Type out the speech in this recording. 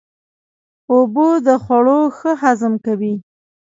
اوبه د خوړو ښه هضم کوي.